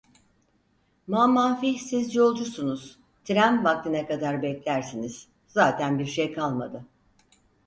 Mamafih siz yolcusunuz, tren vaktine kadar beklersiniz, zaten bir şey kalmadı.